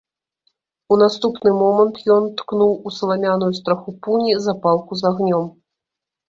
У наступны момант ён ткнуў у саламяную страху пуні запалку з агнём.